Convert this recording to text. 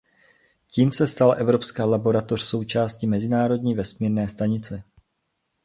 Tím se stala evropská laboratoř součástí Mezinárodní vesmírné stanice.